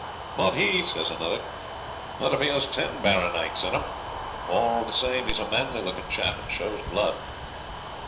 'Not he,' says another; 'not if he was ten baronites in one; all the same, he's a manly looking chap and shows blood.'